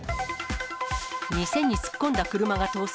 店に突っ込んだ車が逃走。